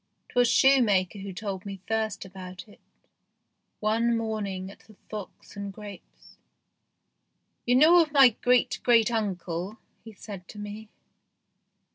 Twas shoemaker who told me first about it one morning at the " Fox and Grapes." "You know ni}? great great uncle ?" he said to me.